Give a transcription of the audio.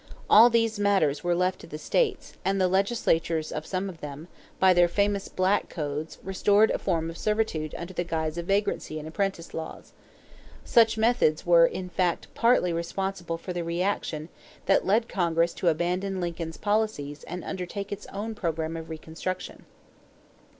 All these matters were left to the states, and the legislatures of some of them, by their famous "black codes," restored a form of servitude under the guise of vagrancy and apprentice laws. Such methods were in fact partly responsible for the reaction that led Congress to abandon Lincoln's policies and undertake its own program of reconstruction.